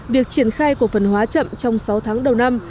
việc triển khai cổ phần hóa chậm trong sáu tháng đầu năm